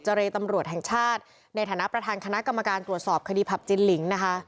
เรตำรวจแห่งชาติในฐานะประธานคณะกรรมการตรวจสอบคดีผับจินลิงนะคะ